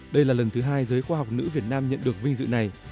đây là lần thứ hai giới khoa học nữ việt nam nhận được vinh dự này